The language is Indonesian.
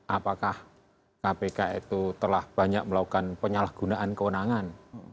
apakah kpk itu telah banyak melakukan penyalahgunaan kewenangan